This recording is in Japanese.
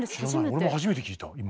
俺も初めて聞いた今。